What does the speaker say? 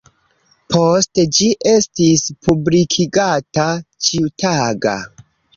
Poste ĝi estis publikigata ĉiutaga.